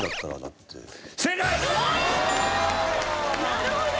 なるほど！